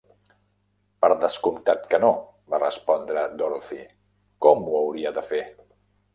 "Per descomptat que no", va respondre Dorothy; "Com ho hauria de fer?"